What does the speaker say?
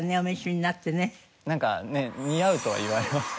なんかね似合うとは言われましたね。